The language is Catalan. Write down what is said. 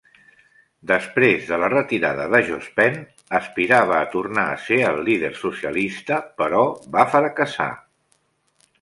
Després de la retirada de Jospin, aspirava a tornar a ser el líder socialista, però va fracassar.